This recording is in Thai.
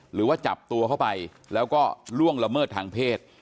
หรือว่าจับตัวเข้าไปแล้วก็ล่วงละเมิดทางเพศ